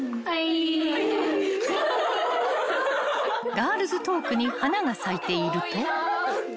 ［ガールズトークに花が咲いていると］